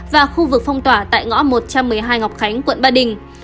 và khu vực phong tỏa tại ngõ một trăm một mươi hai ngọc khánh quận ba đình